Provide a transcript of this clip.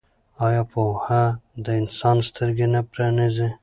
آیا پوهه د انسان سترګې نه پرانیزي؟